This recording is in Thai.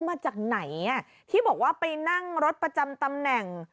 มาจากไหนที่บอกว่าไปนั่งรถประจำตำแหน่ง